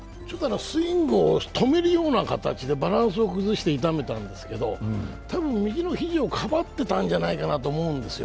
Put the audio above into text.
スイングを止めるような形でバランスを崩して痛めたんですけど多分右の肘をかばってたんじゃないかなと思うんですよ。